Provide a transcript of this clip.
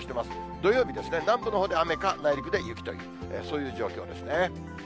土曜日ですね、南部のほうで雨か、内陸で雪という、そういう状況ですね。